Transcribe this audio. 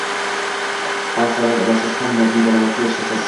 ham savob olasiz, ham moddiy daromadga erishasiz.